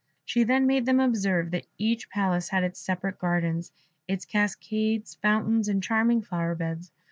She then made them observe that each palace had its separate gardens, its cascades, fountains, and charming flower beds.